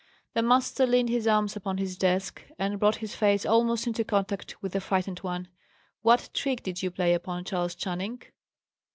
The master leaned his arms upon his desk, and brought his face almost into contact with the frightened one. "What trick did you play upon Charles Channing?"